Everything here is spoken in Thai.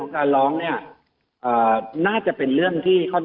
ครับ